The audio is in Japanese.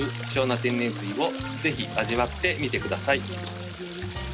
貴重な天然水をぜひ味わってみてください。